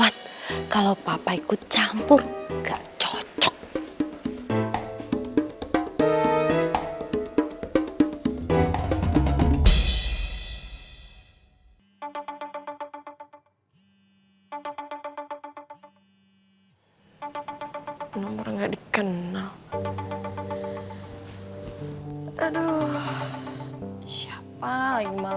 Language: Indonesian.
aku salah penciptekmu tapi gak tahu harus tinggal dimana lagi mas